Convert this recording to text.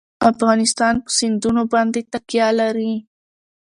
افغانستان په سیندونه باندې تکیه لري.